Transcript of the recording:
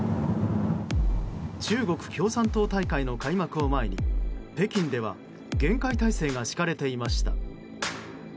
中国共産党大会の開幕を前に北京では厳戒態勢が敷かれていました。